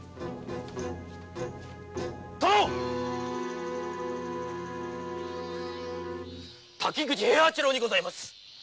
殿滝口平八郎にございます。